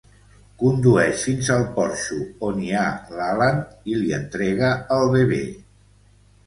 Condueix fins al porxo on hi ha l'Alan i li entrega el bebè.